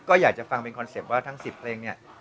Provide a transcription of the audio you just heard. ก็อยากจะฟังเป็นคอนเซ็ปต์ว่าทั้ง๑๐เพลงเนี่ย